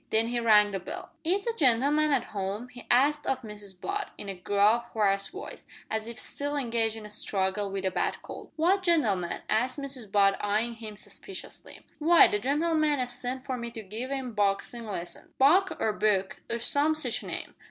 Then he rang the bell. "Is the gen'leman at 'ome?" he asked of Mrs Butt, in a gruff, hoarse voice, as if still engaged in a struggle with a bad cold. "What gentleman?" asked Mrs Butt eyeing him suspiciously. "W'y, the gen'leman as sent for me to give 'im boxin' lessons Buck or Book, or some sitch name."